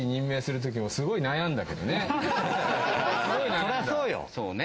そりゃそうよ。